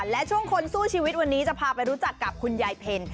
และช่วงคนสู้ชีวิตวันนี้จะพาไปรู้จักกับคุณยายเพล